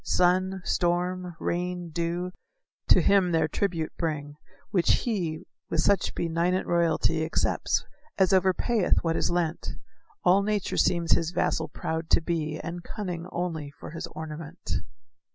Sun, storm, rain, dew, to him their tribute bring, Which he, with such benignant royalty Accepts, as overpayeth what is lent; All nature seems his vassal proud to be, And cunning only for his ornament.